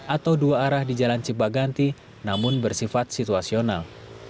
atau dua arah di jalan cibaganti namun bersifat situasional